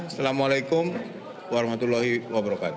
assalamu'alaikum warahmatullahi wabarakatuh